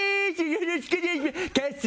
よろしくお願いします。